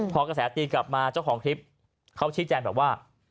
พอกระแสตีกลับมาเจ้าของคลิปเขาชี้แจงแบบว่า